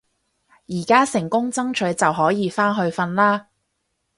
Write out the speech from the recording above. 而家成功爭取就可以返去瞓啦